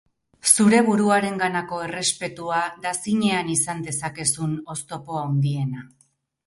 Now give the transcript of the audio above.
Zure buruarenganako errespetua da zinean izan dezakezun oztopo handiena.